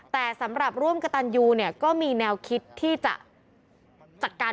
แต่สำหรับร่วมกระตันยูเนี่ยก็มีแนวคิดที่จะจัดการ